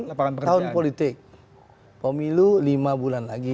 tapi ini ini kan tahun politik pemilu lima bulan lagi